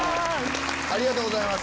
ありがとうございます。